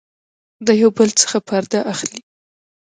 د يو بل څخه پرده اخلي